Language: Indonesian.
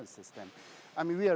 nux di sistem pengawasan